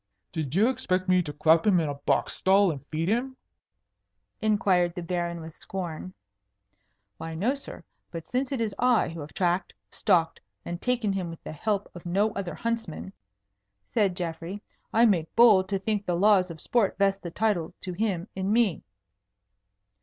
"Did you expect me to clap him in a box stall and feed him?" inquired the Baron with scorn. "Why, no, sir. But since it is I who have tracked, stalked, and taken him with the help of no other huntsman," said Geoffrey, "I make bold to think the laws of sport vest the title to him in me."